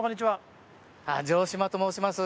城島と申します。